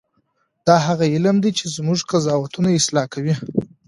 دا هغه علم دی چې زموږ قضاوتونه اصلاح کوي.